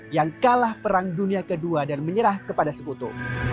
yang kalah perang dunia kedua dan menyerah kepada sekutu